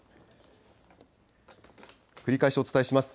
繰り返しお伝えします。